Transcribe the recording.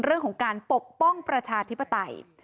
เรื่องของการปกป้องประชาธิปไตย